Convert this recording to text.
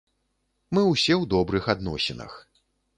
Мы ўсе ў добрых адносінах.